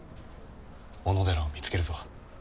小野寺を見つけるぞ。